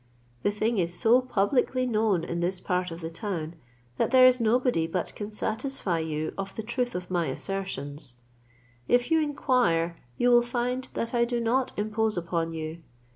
The thing is so publicly known in this part of the town, that there is nobody but can satisfy you of the truth of my assertions. If you inquire, you will find that I do not impose upon you.